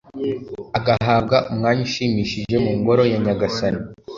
agahabwa umwanya ushimishije mu ngoro ya nyagasani